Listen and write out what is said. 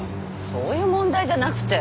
そういう問題じゃなくて。